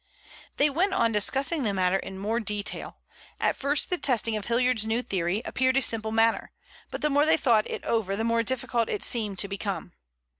They went on discussing the matter in more detail. At first the testing of Hilliard's new theory appeared a simple matter, but the more they thought it over the more difficult it seemed to become.